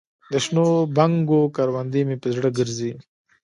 دشنو بنګو کروندې مې په زړه ګرځي